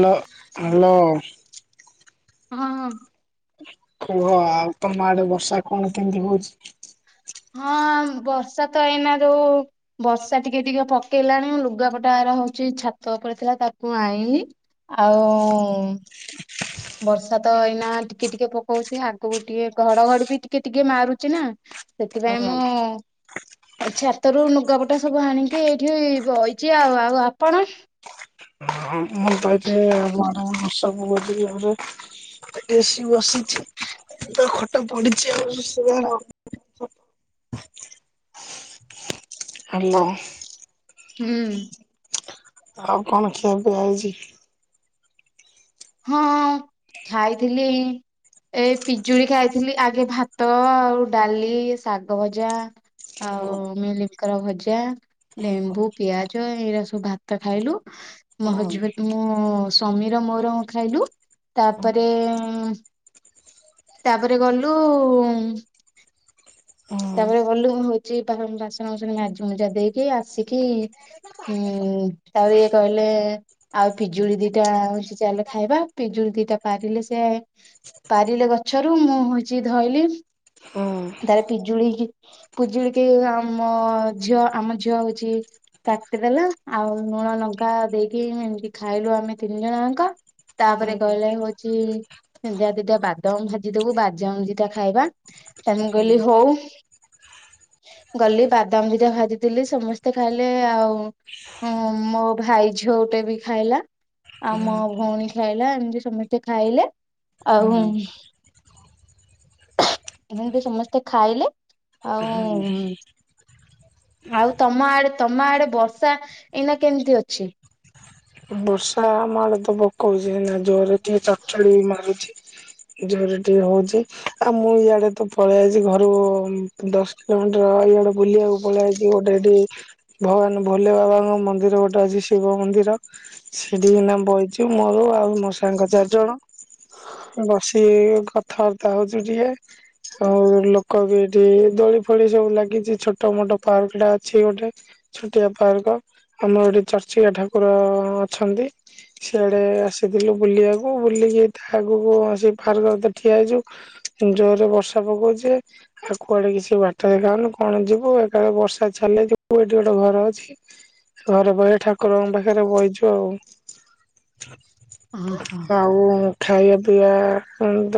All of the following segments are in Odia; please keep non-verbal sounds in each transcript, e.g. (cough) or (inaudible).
ନ ହ୍ୟାଲୋ ହଁ, ହଁ କୁହଁ, ଆଉ ତମ ଆଡ଼େ ବର୍ଷା କଣ କେମିତି ହଉଛି? ହଁ, ବର୍ଷା ତ ଏଇନା ଯୋଉ ବର୍ଷା ଟିକେ ଟିକେ ପକେଇଲାଣି। ଲୁଗାପଟା ଅରା ହଉଛି ଛାତ ଉପରେ ଥିଲା, ତାକୁ ଆଇଁଲି। ଆଉଁ-ଉଁ ବର୍ଷା ତ ଏଇନା ଟିକେ ଟିକେ ପକଉଚି। ଆଗକୁ ଟିଏ ଘଡ଼ଘଡ଼ି ବି ଟିକେ ଟିକେ ମାରୁଚି ନା। ସେଥିପାଇଁ ମୁଁ-ଉଁ ଛାତରୁ ନୁଗାପଟା ସବୁ ଆଣିକି, ଏଇଠି ବଇଛି ଆଉ। ଆଉ ଆପଣ? ହଁ, ମୁଁ ପାଇଛି ମାଡ (unintelligible) ଏଠି ଆସି ବସିଛି। ତ ଖଟ ପଡ଼ିଛି ଆଉ (unintelligible) ହ୍ୟାଲୋ। ହୁଁ। ଆଉ କଣ ଖିଆପିଆ ହେଇଚି? ହଁ, ଖାଇଥିଲିଁ ଏଇ ପିଜୁଳି ଖାଇଥିଲି, ଆଗେ ଭାତ, ଆଉ ଡାଲି, ଶାଗ ଭଜା ଆଉ, ମିଲ୍ ମିକର ଭଜା। ଲେମ୍ବୁ, ପିଆଜ, ଏଇରା ସବୁ ଭାତ ଖାଇଲୁ। ମୋ ହଜ୍ ବେ ମୋ-ଓ, ସ୍ଵାମୀର ମୋର ଖାଇଲୁ। ତା'ପରେ-ଏଁ ତା'ପରେ ଗଲୁଁ-ଉ-ଉଁମ୍ ତା'ପରେ ଗଲୁଁ ହଉଛି, ବା-ବାସନ ବାସନ ମାଜି ମୁଜା ଦେଇକି, ଆସିକି-ଇ ହୁଁ, ତା'ପରେ ଇଏ କହିଲେଁ ଆଉ ପିଜୁଳି ଦିଟାଁ ସେ ଚାଲ ଖାଇବା। ପିଜୁଳି ଦିଟା ପାରିଲେ ସେଁ ପାରିଲେ ଗଛରୁ, ମୁଁ ହଉଛି ଧଇଲି। ହୁଁ। ତାର ପିଜୁଳିକି, ପୁଜୁଳିିକି ଆମ ଝିଅ, ଆମ ଝିଅ ହଉଛି କାଟିଦେଲା। ଆଉ ଲୁଣ ଲଙ୍କା ଦେଇକି ଏମିତି ଖାଇଲୁ ଆମେ ତିନି ଜଣଜାଙ୍କ। ତା'ପରେ କହିଲେ ହଉଚିଁ ସେନ୍ତିଆ ଦିଟା ବାଦାମ ଭାଜି ଦବୁ, ବାଜାମ ଦିଟା ଖାଇବା। ତ ମୁଁ କହିଲି ହଉ। ଗଲି ବାଦାମ ଦିଟା ଭାଜିଦେଲି, ସମସ୍ତେ ଖାଇଲେ ଆଉଁ। ହୁଁ, ମୋ ଭାଇ ଝିଅ ଗୁଟେ ବି ଖାଇଲା। ଆଉ ମ ଭଉଣୀ ଖାଇଲା, ଏମିତି ସମସ୍ତେ ଖାଇଲେ। ଆଉଁ ହିଁତି ସମସ୍ତେ ଖାଇଲେ। ଆଉଁ ଆଉ, ତମ ଆଡେ, ତମ ଆଡେ ବର୍ଷା, ଏଇନା କେମିତି ଅଛି? ବର୍ଷା, ଆମଆଡେ ତ ପକଉଛି, ଏଇନା। ଜୋରେ ଟିଏ ଚଡ୍ ଚଡି ମାରୁଛି। ଜୋରେ ଟିଏ ହଉଛି। ଆଉ ମୁଁ ଇଆଡେ ତ ପଳେଇ ଆଇଛି ଘରୁ-ଉ ଦଶ୍ ପ୍ଲାଣ୍ଟ ର ଇଆଡେ ବୁଲିଆଉ। ପଳେଇଆଇଛି ଗୋଟେ ଏଠି, ଭଗବାନ୍ ଭୋଲେ ବାବାଙ୍କ ମନ୍ଦିର ଗୋଟେ ଅଛି, ଶିବ ମନ୍ଦିର। ସେଠିକିନା ବଇଚୁ, ମୋର ଆଉ ମୋ ସାଙ୍ଗ ଚାରି ଜଣ। ବସିକି କଥାବାର୍ତ୍ତା ହଉଚୁ ଟିକେ। ଆଉ, ଲୋକ ବି ଏଠି ଦୋଳି ଫୋଳି ସବୁ ଲାଗିଛି। ଛୋଟ ମୋଟ ପାର୍କ ଟା ଅଛି ଗୋଟେ। ଛୋଟିଆ ପାର୍କ, ଆମର ଏଠି ଚର୍ଚିକା ଠାକୁର-ଅ ଅଛନ୍ତି। ସିଆଡେ ଆସିଥିଲୁ ବୁଲିଆକୁ ବୁଲିକି ତା ଆଗକୁ ସେ ପାର୍କ ତେ ଠିଆ ହେଇଚୁ ଜୋରରେ ବର୍ଷା ପକଉଚି ଆଉ କୁଆଡେ କିଛି ବାଟ ଦେଖାନୁ କଣ ଯିବୁ ଏକାଳେ ବର୍ଷା ଛାଡିଲେ ଜିବୁ ଏଠି ଗୋଟେ ଘର ଅଛି। ଘରେ ବହି ଠାକୁରଙ୍କ ପାଖରେ ବଇଚୁ ଆଉ। ଓହୋ ଆଉ ଖାଇଆ ପିଇଆ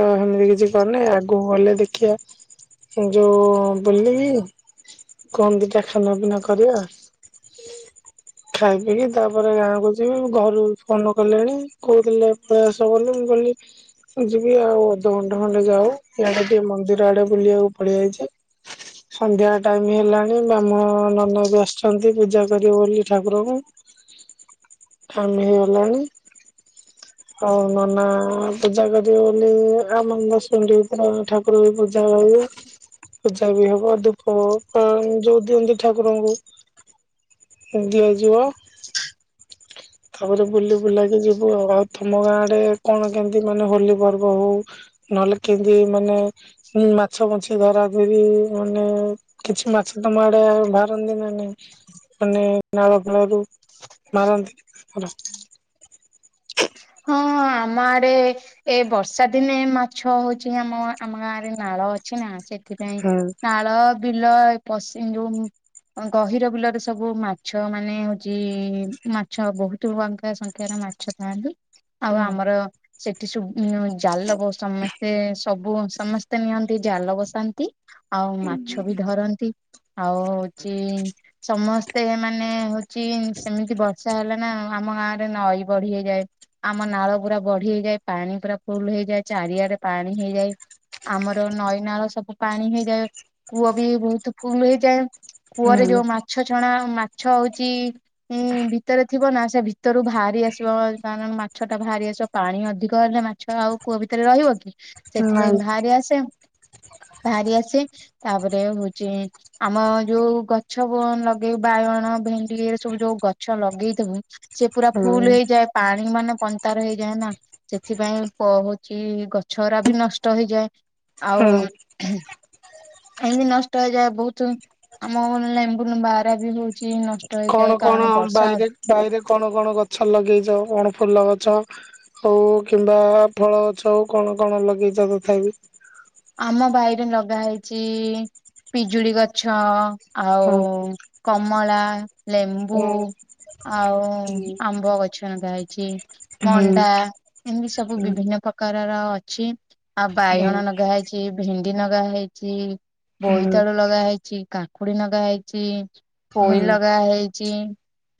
ତ ସେମିତି କିଛି କରିନି ଆ ଗୁ ଗଲେ ଦେଖିଆ ଯୋ ବୁଲିକି କଂ ଦିଟା ଖାନା ପିନା କରିଆ ଖାଇ ପିକି ତାପରେ ଗାଁକୁ ଯିବି ଘରୁ ଫୋନ କଲେଣି କହୁଥିଲେ ପଳେ ଆସ ବୋଲି ମୁଁ କହିଲି ଯିବି ଆଉ ଅଧଘଣ୍ଟେ ଖଣ୍ଡେ ଯାଉ ଇଆଡେ ଟିକେ ମନ୍ଦିର ଆଡେ ବୁଲିଆକୁ ପଳେଇଆଇଚି। ସନ୍ଧ୍ୟା ଟାଇମି ହେଲାଣି ବାହ୍କୁଣ ନନା ବି ଆସିଛନ୍ତି ପୂଜା କରିବେ ବୋଲି ଠାକୁରଙ୍କୁ। ଟାଇମ୍ ହେଇ ଗଲାଣି। ଅଉ ନନା ପୂଜା କରିଏ ବୋଲି ଆମ ଦଶ୍ ମିଣ୍ଟି ଭିତରେ ଠା କୁର ବି ପୂଜା ହବାକୁ, ପୂଜା ବି ହବ ଦୁ ପ ଯୋଉ ଦିଅନ୍ତି ଠାକୁରଙ୍କୁ ଦିଆଯିବ। ତାପରେ ବୁଲି ବୁଲାକି ଯିବୁ ଆଉ ଆଉ ଥମ ଗାଁଡେ କଣ କେମତି ମାନେ ହୋଲି ପର୍ବ ହଉ ନହେଲେ କିଂଦି ମାନେ ମାଛ ବଞ୍ଚି କି ଧରା ଧରି ମାନେ କିଛି ମାଛ ତମ ଆଡେ ବାହାରନ୍ତି ନା ନାଇଁ? ମାନେ ନାଳ ଫାଳରୁ ମାରନ୍ତି ର। ହଁ ଆମ ଆଡେ ଏ ବର୍ଷା ଦିନେ ମାଛ ହଉଛି ଆମ ଆମ ଗାଁ ରେ ନାଳ ଅଛି ନା ସେ ସେଥିପାଇଁ ନାଳ ବିଲ ଏ ପଶି ଯୋଉ ଗହିର ବିଲରେ ସବୁ ମାଛ ମାନେ ହଉଚି ମାଛ ବହୁତୁ (unintelligible) ସଂଖ୍ୟାରେ ମା ଛ ଥାନ୍ତି ଆଉ ଆମର ସେଠି ସୁବ୍ ଉଁ ଜାଲ ବ ସମସ୍ତେ ସବୁ ସମସ୍ତେ ନିଅନ୍ତି ଜାଲ ବସାନ୍ତି ଆଉ ମାଛ ବି ଧରନ୍ତି ଆଉ ହଉଚି ସମସ୍ତେ ମାନେ ହଉଚି ସେମିତି ବର୍ଷ ଆ ହେଲେ ନା ଆମ ଗାଁରେ ନଈ ବଢି ହେଇଯାଏ। ଆମ ନାଳ ପୁରା ବଢି ହେଇଯାଏ ପାଣି ପୁରା ଫୁଲ୍ ହେଇଯାଏ ଚାରିଆଡେ ପାଣି ହେଇଯାଏ। ଆମର ନଈନାଳ ସବୁ ପାଣି ହେଇଯାଏ କୂଅ ବି ବହୁତୁ ଫୁଲୁ ହେଇଯାଏ। କୂଅରେ ଯୋଉ ମାଛ ଛଣା ମାଛ ହଉଚି ଉଁ ଭିତରେ ଥିବ ନା ସେ ଭି ତରୁ ବାହାରି ଆସିବ କାରଣ ମାଛ ଟା ବାହାରି ଆସିବ ପାଣି ଅଧିକ ହେଲେ ମାଛ ଆଉ କୂଅ ଭିତରେ ରହିବ କି। ହୁଁ ସେଥିପାଇଁ ନାଇଁ ଭାଆରି ଆସେ- ଭାଆରି ଆସି ତାପରେ ହଉଚି ଆମ ଯୋଉ ଗଛକୁ ଲଗେଇ ବାଇଗଣ, ଭେଣ୍ଡି ଏରା ସବୁ ଯୋଉ ଗଛ ଲଗେଇଥିବୁ ସେ ପୁରା ହୁଁ ଫୁଲୁ ହେଇଯାଏ ପାଣି ମାନେ କନ୍ତାର ହେଇଯାଏ ନା ସେଥିପାଇଁ କହୁଚି ଗଛଉରା ବି ନଷ୍ଟ ହେଇଯାଏ। ଆଉ ହୁଁ ଏନ୍ଦି ନଷ୍ଟ ହେଇଯାଏ ବହୁତୁ ଆମ ଲେମ୍ବୁ ଲୁମ୍ବା ହରା ବି ଯୋଉ ଚି ନଷ୍ଟ ହେଇଯାଏ କଣ କଣ କାରଣ ବର୍ଷା ଅ ବାଇରେ ବାଇରେ କଣ, କଣ ଗଛ ଲଗେଇଚ କଣ ଫୁଲ ଗଛ ହଉ କିମ୍ବା ଫଳ ଗଛ ହଉ କଣ କଣ ଲଗେଇଚ ତଥାପି? ଆମ ବାଇରେ ଲଗା ହେଇଛି ପିଜୁଳି ଗଛ ହଁ ଆଉ କମଳା, ଲେମ୍ବୁ ହୁଁ ଆଉ ହୁଁ ଆମ୍ବ ଗଛ ଲଗାଆଇଛି ମଣ୍ଡା ହୁଁ ଏମିତି ସବୁ ବିଭିନ୍ନ ପ୍ରକାରର ଅଛି। ଆଉ ହୁଁ ବାଇଗଣ ନଗା ହେଇଚି, ଭେଣ୍ଡି ନଗା ହେଇଚି, ହୁଁ ବୋଇତାଳୁ ଲଗା ହେଇଚି। କାକୁଡି ନଗା ହେଇଚି, ପୋଇ ହୁଁ ଲଗା ହେଇଚି,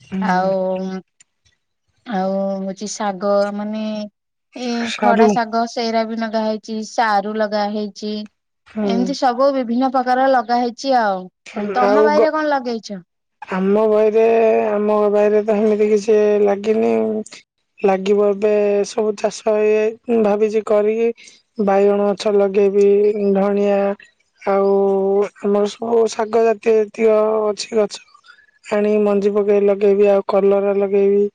ହୁଁ ଆଉ ଆଉ ହଉଛି ଶାଗ ମାନେ ଏଇ ଖଡା ସାରୁ ଶାଗ ହେରା ବି ଲଗା ହେଇଛି, ସାରୁ ଲଗା ହେଇଛି ହୁଁ ଏମତି ସବୁ ବିଭିନ୍ନ ପ୍ରକାର ଲଗା ହେଇଛି ଆଉ (unintelligible) ତମ ଆଉ ଗ ବାଇରେ କଣ ଲଗେଇଛ ଆମ ବହିରେ ଆମ ବହିରେ ତ ହେ ମିତି କିଛି ଲାଗିନି ଲାଗିବ ଏବେ ସବୁ ଚାଷ ଇଏ ଭାବିଛି କରିକି ବାଇଗଣ ଗଛ ଲଗେଇବି ଧଣିଆ ଆଉ ଆମର ହଉ ଶାଗ ଜାତୀୟ ଜାତୀୟ ଅଛି ଗଛ ଆଣିକି ମଞ୍ଜି ପକେଇ ଲଗେଇବି ଆଉ କଲର ଲଗେଇବି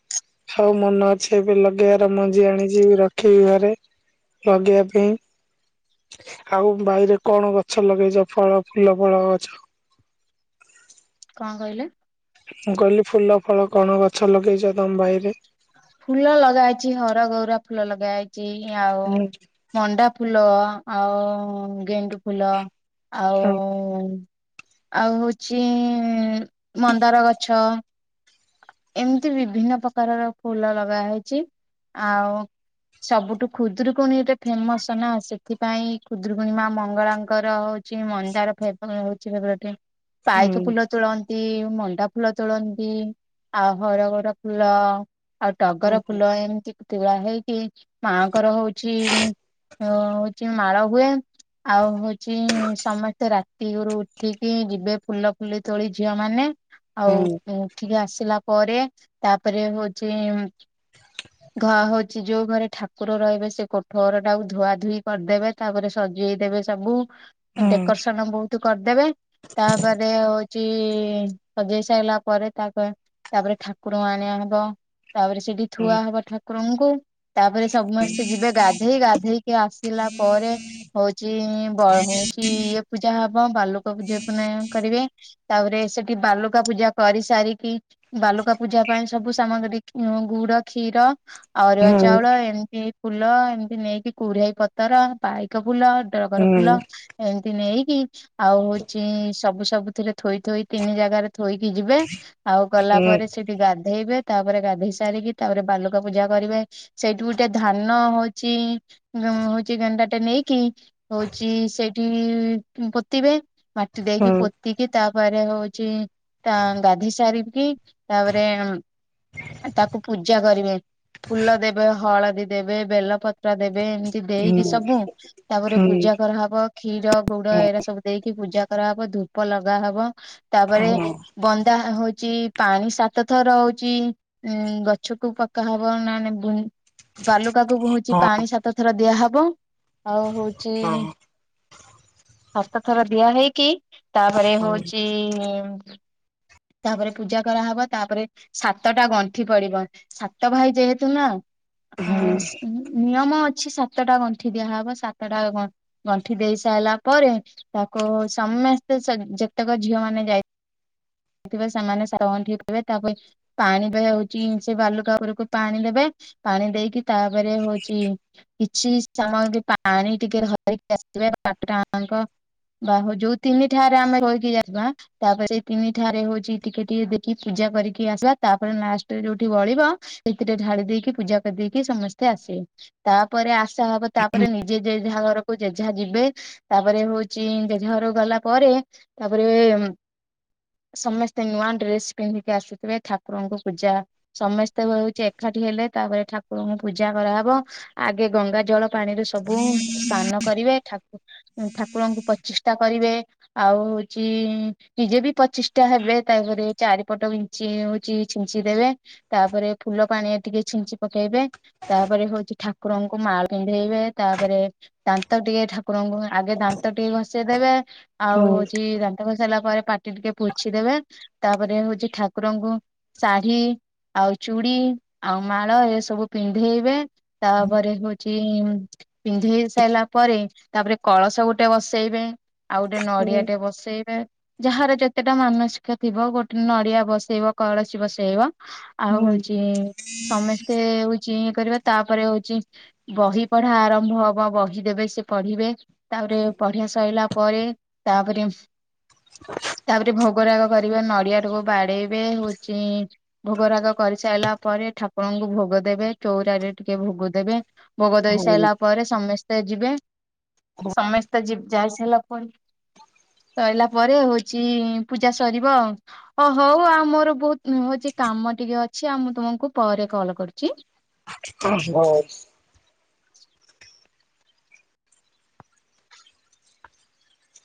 ଆଉ ମନ ଅଛି ଏବେ ଲଗେଇବାର ମଞ୍ଜି ଆଣିଛିିବ ରଖିବି ଘରେ ଲଗେଇବା ପାଇଁ ଆଉ ବାଇରେ କଣ ଗଛ ଲଗେଇଛ ଫଳ ଫୁଲ ଫଳ ଗଛ। କଣ କହିଲେ? ମୁଁ କହିଲି ଫୁଲ ଫଳ କଣ ଗଛ ଲଗେଇଛ ତମ ବାଇରେ? ଫୁଲ ଲଗାହେଇଛି ହରଗୌରା ଫୁଲ ଲଗାଯାଇଛି ଆଉ ହୁଁ ମଣ୍ଡା ଫୁଲ ଆଉ ଗେଣ୍ଡୁ ଫୁଲ ହଁ ଆଉ ଆଉ ହଉଛି ମନ୍ଦାର ଗଛ ଏମିତି ବିଭିନ୍ନ ପ୍ରକାରର ଫୁଲ ଲଗାହେଇଛି ଆଉ ସବୁଠୁ ଖୁଦୁରୁକୁଣୀ ଟା ଫେମସ ନା ସେ ସେଥିପାଇଁ ଖୁଦୁରୁକୁଣୀ ମା ମଙ୍ଗଳାଙ୍କର ହଉଛି ମନ୍ଦାର ଫବ ହଉଛି ଫେବରେ ଟ ହୁଁ ପାଇକ ଫୁଲ ତୋଳନ୍ତି ମଣ୍ଡା ଫୁଲ ତୋଳନ୍ତି। ଆଉ ହରଗଉରା ଫୁଲ ଆଉ ଟଗର ଫୁଲ ଏମିତି ତୁଳା ହେଇକି ମାଆଙ୍କର ହଉଛି। ହଉଛି ମାଳ ହୁଏ। ଆଉ ହଉଛି ସମସ୍ତେ ରାତି ରୁ ଉଠିକି ଯିବେ ଫୁଲ ଫୁଲି ତୋଳି ଝିଅ ମାନେ ଆଉ ହୁଁ ଉଠିକି ଆସିଲା ପରେ ତାପରେ ହଉଛି। ହ। ଘ ହଉଛି ଯୋଉ ଘରେ ଠାକୁର ରହିବେ ସେ କୋଠ ଘର ଟାକୁ ଧୁଆ ଧୁଇ କରିଦେବେ। ତାପରେ ସଜେଇଦବେ ସବୁ ହୁଁ ଡେକୋରେସନ ବହୁତ କରିଦେବେ ତାପରେ ସଜେଇ ସାରିଲା ପରେ ତା କ ତାପରେ ଠାକୁର ଆଣି ଆଣବ ତାପରେ ସେଠି ଥୁଆ ହବ ଠାକୁରଙ୍କୁ ତାପରେ ସମସ୍ତେ ଯିବେ ଗାଧେଇ ଗାଧେଇ ଟେ ଆସିଲା ପରେ ହଉଛି ବ ହଉଛି ଇଏ ପୂଜା ହବ ବାଲୁକା ପୂଜା କରିବେ। ତାପରେ ସେଠି ବାଲୁକା ପୂଜା କରି ଚାରିକି ବାଲୁକା ପୂଜା ପାଇଁ ସବୁ ସାମଗ୍ରୀ ଗୁଡ କ୍ଷୀର ଅରୁଆ ଚାଉଳ ଏମିତି ଫୁଲ ଏମିତି ନେଇକି କୁଢେଇ ପତର ପାଇକ ଫୁଲ ଟଗର ହୁଁ ଫୁଲ ଏମିତି ନେଇକି ଆଉ ହଉଛି ସବୁ ସବୁ ଥିରେ ଥୋଇଥୋଇ ତିନି ଜାଗାରେ ଥୋଇକି ଯିବେ ଆଉ ଗଲା ହୁଁ ପରେ ସେଠି ଗାଧେଇବେ ତାପରେ ଗାଧେଇ ସାରିକି ତାପରେ ବାଲୁକା ପୂଜା କରିବେ। ସେଇଠୁ ଗୋଟେ ଧାନ ହଉଛି ହଉଛି ଗଣ୍ଡାଟା ନେଇକି ହଉଛି ସେଇଠି ପୋତିବେ। ମାଟି ଦେଇକି ପୋ ଏତିକି ତାପରେ ହଉଛି ତା ଗାଧୋଇ ସାରିକି ତାପରେ ଆ ତାକୁ ପୂଜା କରିବେ। ଫୁଲ ଦେବେ। ହଳଦୀ ଦେବେ ବେଲପତ୍ର ପୁରା ଦେବେ ଏମିତି ଦେଇକି ସବୁ ତାପରେ ପୂଜା କରାହବ। କ୍ଷୀର ଗୁଡ଼ ଏଡା ସବୁ ଦେଇକି ପୂଜା କରାହବ ଧୂପ ଲଗା ହବ ତାପରେ ବ ତା ହଉଛି ପାଣି ସାତ ଥର ହଉଛି ଉଁ ଗଛକୁୁ ପକା ହବ ନା ନେବୁନି ବାଲୁକା କୁ ହଉଛି ପାଣି ସାତ ଥର ଦିଆହବ ଆଉ ହଉଚି ହଁ, ସାତ ଥର ଦିଆ ହେଇକି ତାପରେ ହଉଚି ତାପରେ ପୂଜା କରାହବ। ତାପରେ ସାତଟା ଗଣ୍ଠି ପଡିବ ସାତ ଭାଇ ଯେହେତୁ ନା ଅ ନିୟମ ଅଛି ସାତଟା ଗଣ୍ଠି ଦିଆହେବ। ସାତଟା ଗଣ୍ଠି ଦେଇ ସାରିଲା ପରେ ତାକୁ ସମସ୍ତେ ଯେତେକ ଝିଅ ମାନେ ଯାଇ ଥିବେ ସେମାନେ (unintelligible) ତାପାଇଁ ପାଣି (unintelligible) ହଉଛି ସେ ବାଲୁକା ଉପରକୁ ପାଣି ଦେବେ ପାଣି ଦେଇକି ତାପରେ ହଉଛି କିଛି ସାମଗ୍ରୀ ପାଣି ଟିକେ ଧରିକି ଆସିିବେ (unintelligible) ବା ହ ଯୋଉ ତିନି ଠାରେ ଆମେ ରହିକି ଯାଇଥିବା ତାପରେ ସେଇ ତିନି ଠାରେ ହଉଛି ଟିକେ ଟିକେ ଦେଖି ପୂଜା କରିକି ଆସିବା ତାପରେ ଲାଷ୍ଟ ଯୋଉଠି ଗଳିବ ସେଥିରେ ଢାଳି ଦେଇକି ପୂଜା କରିଦେଇକି ସମସ୍ତେ ଆସିଲେ ତାପରେ ଆସା ହବ ତାପରେ ନିଜେ ଯେଝା ଘରକୁ ଯେଝା ଯିବେ ତାପରେ ହଉଛି ଯେଝା ଘରକୁ ଗଲା ପରେ ତାପରେ ସମସ୍ତେ ନୂଆ ଡ୍ରେସ ପିନ୍ଧିକି ଆସିଥିବେ ଠାକୁରଙ୍କୁ ପୂଜା ସମସ୍ତେ ହଉଛି ଏକାଠି ହେଲେ ତାପରେ ଠାକୁରଙ୍କୁ ପୂଜା କରାହେବ ଆଗେ ଗଙ୍ଗା ଜଳ ପାଣିରେ ସବୁ ସ୍ନାନ କରିବେ। ଠାକୁ ଠାକୁରଙ୍କୁ ପଚିଷ୍ଟା କରିବେ। ଆଉ ହଉଛି ନିଜେ ବି ପଚିଷ୍ଟା ହେବେ ତାପରେ ଚାରିପଟ ଇଞ୍ଚି ହଉଛିି ଛିଞ୍ଚି ଦେବେ। ତାପରେ ଫୁଲ ପାଣିରେ ଟିକେ ଛିଞ୍ଚି ପକେଇବେ। ତାପରେ ହଉଛି ଠାକୁରଙ୍କୁ ମାଳ ପିନ୍ଧେଇବେ ତାପରେ ଦାନ୍ତ ଟିକେ ଠାକୁରଙ୍କୁ ଆଗେ ଦାନ୍ତ ଟିକେ ଘଷେଇ ଦେବେ। ଆଉ ହଉଛି ଦାନ୍ତ ଘଷି ସାରିଲା ପରେ ପାଟି ଟିକେ ପୋଛିଦବେ। ତାପରେ ହଉଛି ଠାକୁରଙ୍କୁ ଶାଢୀ ଆଉ ଚୁଡି ଆଉ ମାଳ ଏ ସବୁ ପିନ୍ଧେଇବେ। ତାପରେ ହଉଛି ପିନ୍ଧେଇ ସାରିଲା ପରେ ତାପରେ କଳସ ଗୋଟେ ବସେଇବେ। ଆଉ ଗୋଟେ ନଡିଆ ଟେ ବସେଇବେ। ଯାହାର ଯେତେଟା ମାନସିକ ଥିବ ଗୋଟେ ନଡିଆ ବସେଇବ, କଳସୀ ବସେଇବ। ଆଉ ହଉଛି ସମସ୍ତେ ହଉଛି ଇଏ କରିବା ତାପରେ ହଉଛି ବହି ପଢା ଆରମ୍ଭ ହବ ବହି ଦେବେ ସେ ପଢିବେ। ତାପରେ ପଢିଆ ସରିଲା ପରେ ତାପରେ ତାପରେ ଭୋଗରାଗ କରିବେ ନଡିଆ ଟାକୁ ବାଡେଇବେ ହଉଚି ଭୋଗରାଗ କରିସାରିଲା ପରେ ଠାକୁରଙ୍କୁ ଭୋଗ ଦେବେ ଚଉରାରେ ଟିକେ ଭୋଗ ଦେବେ। ଭୋଗ ଦେଇସାରିଲା ପରେ ସମସ୍ତ ସ୍ତେ ଯିବେ ସମସ୍ତେ ଜି ଯାଇ ସାରିଲା ପରେ ସଇଲା ପରେ ହଉଛି ପୂଜା ସରିବ। ଓ ହଉ ଆଉ ମୋର ବହୁତ ହଉଛି କାମ ଟିକେ ଅଛି। ଆଉ ମୁଁ ତୁମକୁ ପରେ କଲ୍ କରୁଛି। ହ ହଉ।